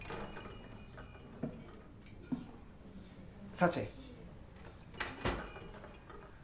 幸。